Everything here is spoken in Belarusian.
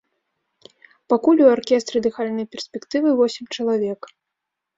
Пакуль у аркестры дыхальнай перспектывы восем чалавек.